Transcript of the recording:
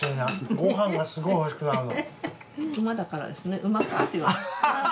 ごはんがすごいおいしくなるの。